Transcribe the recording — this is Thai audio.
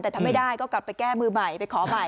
แต่ถ้าไม่ได้ก็กลับไปแก้มือใหม่ไปขอใหม่